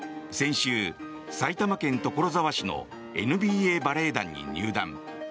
先週、埼玉県所沢市のＮＢＡバレエ団に入団。